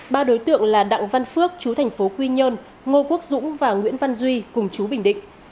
ba đối tượng là đặng văn phước chú thành phố quy nhơn ngô quốc dũng và nguyễn văn duy cùng chú bình định